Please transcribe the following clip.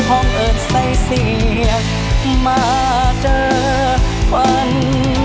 ห้องเอิญใส่เสียงมาเจอฝันเนย